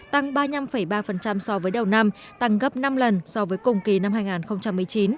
tăng ba mươi năm ba so với đầu năm tăng gấp năm lần so với cùng kỳ năm hai nghìn một mươi chín